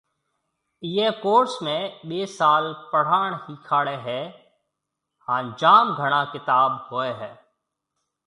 ايئي ڪورس ۾ ٻي سال پڙهاڻ هِيکاڙي هيَ هانَ جام گھڻا ڪتاب هوئي هيَ